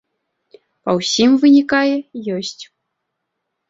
Па ўсім вынікае, ёсць.